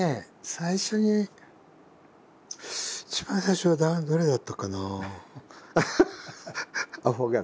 最初に一番最初は誰だったかな？